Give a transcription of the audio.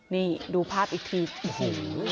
นี่ดูภาพอีกทีโอ้โห